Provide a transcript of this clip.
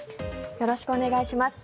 よろしくお願いします。